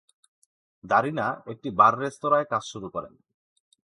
দারিনা একটি বার-রেস্তোরাঁয় কাজ শুরু করেন।